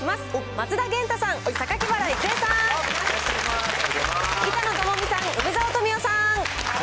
松田元太さん、榊原郁恵さん、板野友美さん、梅沢富美男さん。